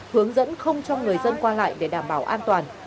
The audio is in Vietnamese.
hướng dẫn không cho người dân qua lại để đảm bảo an toàn